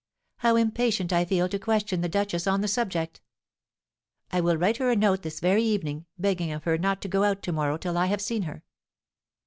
How impatient I feel to question the duchess on the subject! I will write her a note this very evening, begging of her not to go out to morrow till I have seen her.